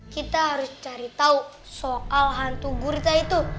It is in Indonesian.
kita harus cari tahu soal hantu gurita itu